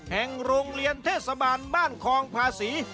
แห่งโรงเรียนเทศบาลบ้านคองภาษี